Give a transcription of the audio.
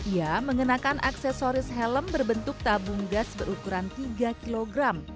ia mengenakan aksesoris helm berbentuk tabung gas berukuran tiga kg